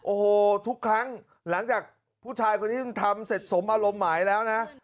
โอ้โหทุกครั้งหลังจากผู้ชายคนนี้ทำเสร็จสมอารมณ์หมายแล้วนะ